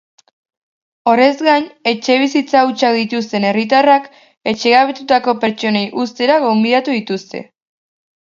Horrez gain, etxebizitza hutsak dituzten herritarrak etxegabetutako pertsonei uztera gonbidatu dituzte.